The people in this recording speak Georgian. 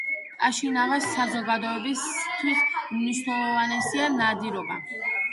კაშინავას საზოგადოებისათვის უმნიშვნელოვანესია ნადირობა.